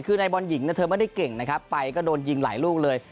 คือในบอลหญิงเธอไม่ได้เก่งนะครับไปก็โดนยิงหลายลูกเลย